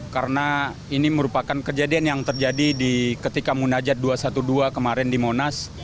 karena ini merupakan kejadian yang terjadi ketika munajat dua ratus dua belas kemarin di monas